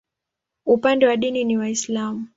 Upande wa dini ni Waislamu.